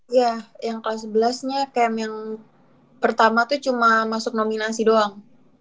iya yang kelas sebelas nya kayak yang pertama tuh cuma masuk nominasi doang